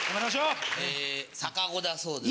え逆子だそうです。